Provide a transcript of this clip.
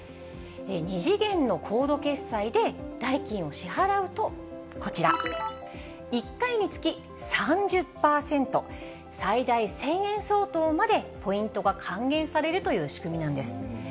２次元のコード決済で代金を支払うとこちら、１回につき３０％、最大１０００円相当までポイントが還元されるという仕組みなんです。